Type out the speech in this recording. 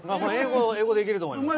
英語でいけると思います。